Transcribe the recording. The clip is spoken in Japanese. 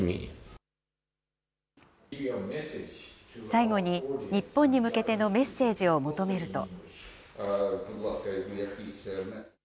最後に、日本に向けてのメッセージを求めると。